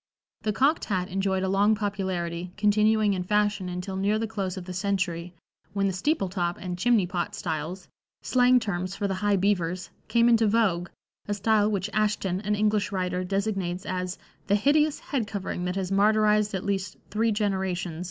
The "cocked" hat enjoyed a long popularity, continuing in fashion until near the close of the century, when the "steeple top" and "chimney pot" styles slang terms for the high beavers came into vogue, a style which Ashton, an English writer, designates as "the hideous head covering that has martyrized at least three generations."